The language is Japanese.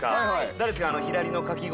誰ですか？